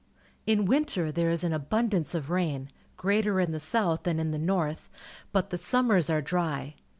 In ^ inter there is an abundance of rain, greater in the south than in the north, but the summers are dry.